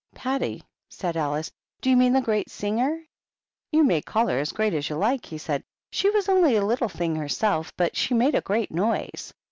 " Patti ?" said Alice. " Do you mean the great singer ?" "You may call her as great as you like," he said. "She was only a little thing herself, but she made a great noise.